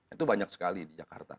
itu banyak sekali di jakarta